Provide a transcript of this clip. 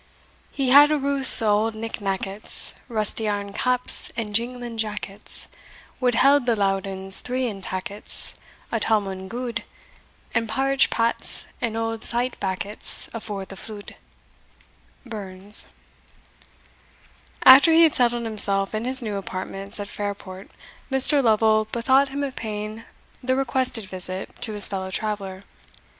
He had a routh o' auld nick nackets, Rusty airn caps, and jinglin jackets, Would held the Loudons three in tackets, A towmond gude; And parritch pats, and auld sayt backets, Afore the flude. Burns. After he had settled himself in his new apartments at Fairport, Mr. Lovel bethought him of paying the requested visit to his fellow traveller.